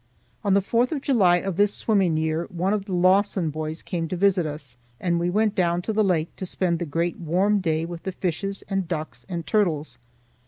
On the fourth of July of this swimming year one of the Lawson boys came to visit us, and we went down to the lake to spend the great warm day with the fishes and ducks and turtles.